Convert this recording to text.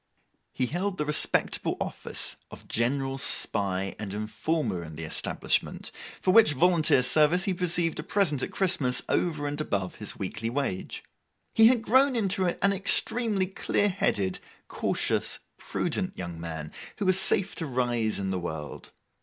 He held the respectable office of general spy and informer in the establishment, for which volunteer service he received a present at Christmas, over and above his weekly wage. He had grown into an extremely clear headed, cautious, prudent young man, who was safe to rise in the world.